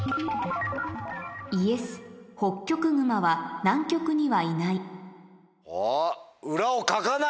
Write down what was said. ホッキョクグマは南極にはいないおっ！